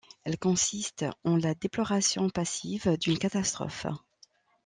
Elle consiste en la déploration passive d'une catastrophe.